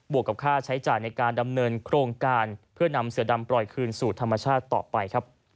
วกกับค่าใช้จ่ายในการดำเนินโครงการเพื่อนำเสือดำปล่อยคืนสู่ธรรมชาติต่อไปครับ